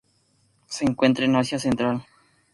Se encuentra en Asia Central.